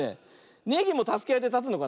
ネギもたすけあいでたつのかな。